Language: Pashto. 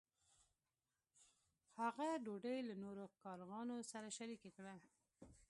هغه ډوډۍ له نورو کارغانو سره شریکه کړه.